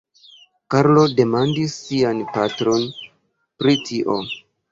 Karlo demandis sian patron pri tio.